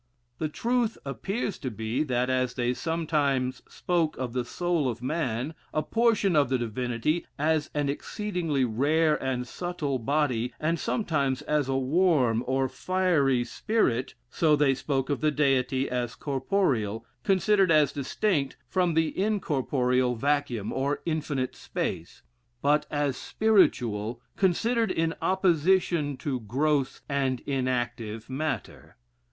The truth appears to be, that, as they sometimes spoke of the soul of man, a portion of the Divinity, as an exceedingly rare and subtle body, and sometimes as a warm or fiery spirit,* so they spoke of the Deity as corporeal, considered as distinct from the incorporeal vacuum, or infinite space; but as spiritual, considered in opposition to gross and inactive matter.